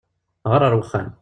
Ɣeṛ ar uxxam!